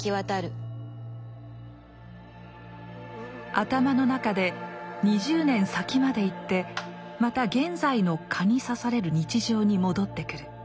頭の中で２０年先まで行ってまた現在の蚊に刺される日常に戻ってくる。